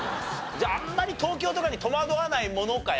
じゃああんまり東京とかに戸惑わないものかやっぱり。